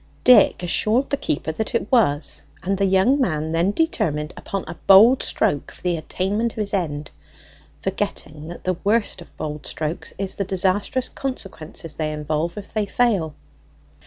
Dick assured the keeper that it was; and the young man then determined upon a bold stroke for the attainment of his end, forgetting that the worst of bold strokes is the disastrous consequences they involve if they fail.